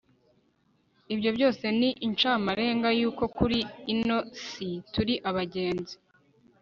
ibyo byose ni incamarenga y'uko kuri ino si turi abagenzi